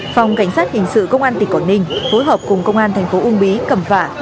phòng cảnh sát hình sự công an tỉnh quảng ninh phối hợp cùng công an thành phố uông bí cầm phả